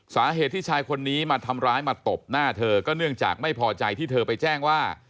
สาเหตุที่ชายคนนี้มาทำร้ายมาตบหน้าเธอก็เนื่องจากไม่พอใจที่เธอไปแจ้งว่า